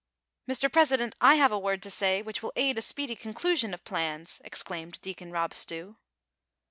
"Mr. President, I have a word to say which will aid a speedy conclusion of plans," exclaimed Deacon Eob Stew.